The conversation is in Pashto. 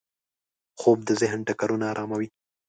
خوب د ذهن ټکرونه اراموي